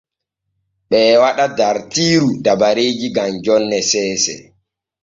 Ɓee waɗa dartiiru dabareeji gam jonne seese.